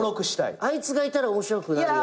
あいつがいたら面白くなるよね。